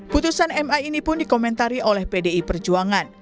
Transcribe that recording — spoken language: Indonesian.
putusan ma ini pun dikomentari oleh pdi perjuangan